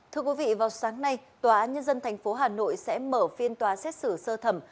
thưa quý vị vào sáng nay tòa án nhân dân tp hà nội sẽ mở phiên tòa xét xử sơ thẩm